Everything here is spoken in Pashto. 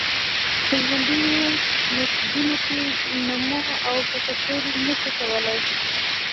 په ژوندیو نسجونو کې نمو او تکثر نشي کولای.